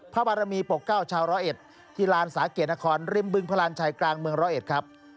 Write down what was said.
บารมีปกเก้าชาวร้อยเอ็ดที่ลานสาเกตนครริมบึงพลานชัยกลางเมืองร้อยเอ็ดครับ